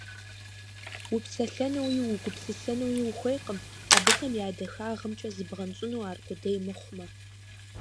Упсэлъэнуи угупсысэнуи ухуейкъым, абыхэм я дахагъымкӀэ зыбгъэнщӀыну аркъудей мыхъумэ.